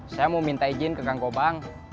saya mau minta izin ke gangkobang